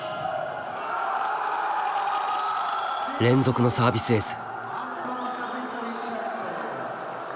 連続のサービスエース。